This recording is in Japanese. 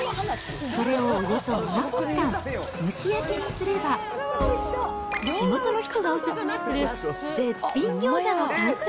それをおよそ７分間蒸し焼きにすれば、地元の人がお勧めする絶品ギョーザの完成。